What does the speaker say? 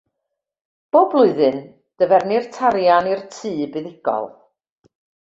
Bob blwyddyn, dyfernir tarian i'r tŷ buddugol.